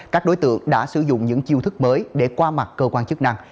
các đối tượng đã sử dụng những chiêu thức mới để qua mặt cơ quan chức năng